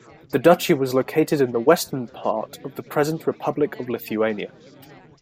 The Duchy was located in the western part of the present Republic of Lithuania.